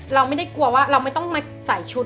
เราไม่ได้กลัวว่าเราไม่ต้องมาใส่ชุด